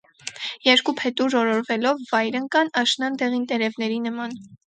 Երկու փետուր օրորվելով վայր ընկան, աշնան դեղին տերևների նման: